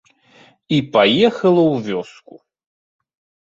І паехала ў вёску.